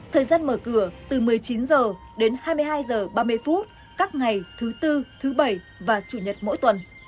thời gian mở cửa từ một mươi chín h đến hai mươi hai h ba mươi các ngày thứ tư thứ bảy và chủ nhật mỗi tuần